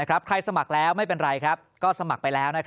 ใครสมัครแล้วไม่เป็นไรก็สมัครไปแล้ว